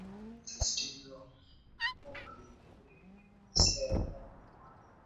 Rwanda inasisitizwa kwamba Jamhuri ya kidemokrasia ya Kongo na Rwanda